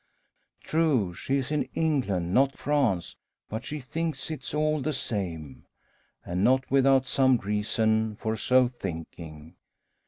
True, she is in England, not France; but she thinks it is all the same. And not without some reason for so thinking.